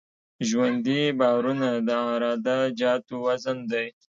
ژوندي بارونه د عراده جاتو وزن دی